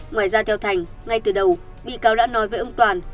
ngoài ra theo thành ngay từ đầu bị cáo đã nói với ông toàn